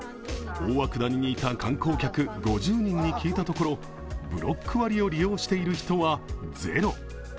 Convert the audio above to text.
大涌谷にいた観光客５０人に聞いたところブロック割を利用している人はゼロ。